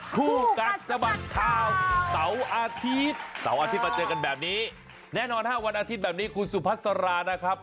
คู่กัดสะบัดข่าวเสาร์อาทิตย์เสาร์อาทิตย์มาเจอกันแบบนี้แน่นอน๕วันอาทิตย์แบบนี้คุณสุพัสรานะครับ